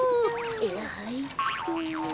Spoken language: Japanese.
はいっと。